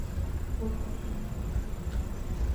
وَهُوَ أَنْ يُقَصِّرَ فِيهَا